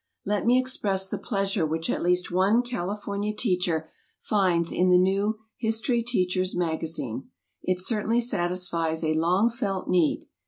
Let me express the pleasure which at least one California teacher finds in the new HISTORY TEACHERS' MAGAZINE. It certainly satisfies a long felt need.